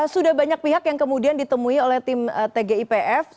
sudah banyak pihak yang kemudian ditemui oleh tim tgipf